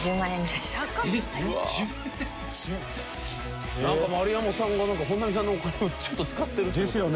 なんか丸山さんが本並さんのお金をちょっと使ってる。ですよね。